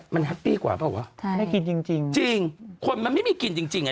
มันฮัตตี้กว่าเปล่าหรือเปล่าใช่ไม่กินจริงจริงจริงคนมันไม่มีกลิ่นจริงจริงอ่ะ